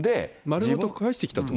丸ごと返してきたと。